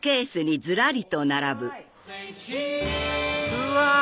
うわ！